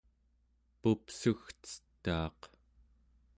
pupsugcetaaq